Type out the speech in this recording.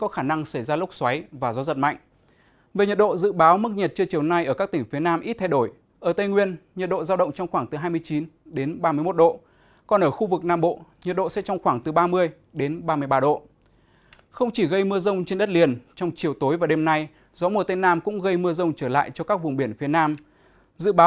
khu vực các tỉnh miền nam lợn hơi trong khoảng từ bảy mươi tám đến tám mươi ba đồng một kg